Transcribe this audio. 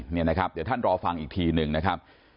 เดี๋ยวท่านรอฟังอีกทีหนึ่งนะครับ